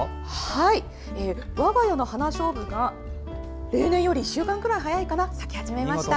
我が家の花しょうぶが例年より１週間くらい早いかな咲き始めました。